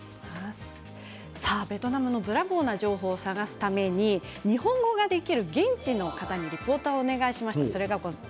ベトナムのブラボーな情報を探すために日本語ができる現地の方にリポーターをお願いしました。